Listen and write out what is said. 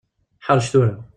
Ḥrec tura.